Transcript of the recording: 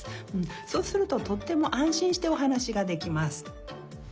そうするととってもあんしんしておはなしができます。